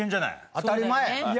当たり前や。